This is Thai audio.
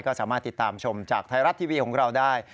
ก็สามารถติดตามชมจากไทยรัฐทีวีของเราได้